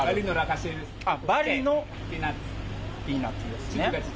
バリのピーナッツですね。